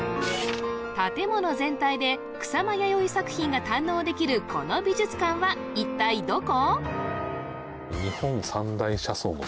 建物全体で草間彌生作品が堪能できるこの美術館は一体どこ？